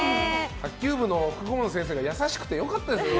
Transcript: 卓球部の顧問の先生が優しくてよかったですね。